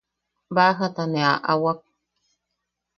Baajata ne aʼawak.